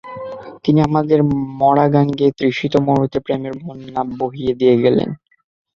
তিনি আমাদের মরা গাঙ্গে, তৃষিত মরুতে প্রেমের বন্যা বহিয়ে দিয়ে গেলেন।